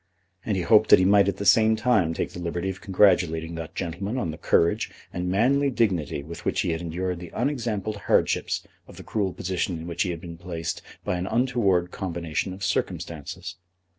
And he hoped that he might at the same time take the liberty of congratulating that gentleman on the courage and manly dignity with which he had endured the unexampled hardships of the cruel position in which he had been placed by an untoward combination of circumstances.